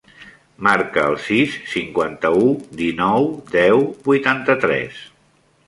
Marca el sis, cinquanta-u, dinou, deu, vuitanta-tres.